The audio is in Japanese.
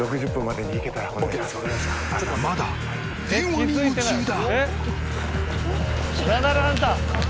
まだ電話に夢中だ。